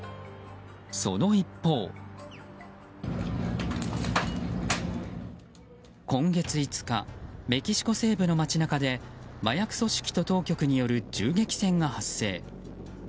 その一方今月５日、メキシコ西部の街中で麻薬組織と当局による銃撃戦が発生。